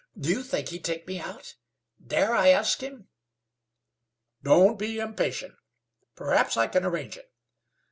"Do you think he'd take me out? Dare I ask him?" "Don't be impatient. Perhaps I can arrange it.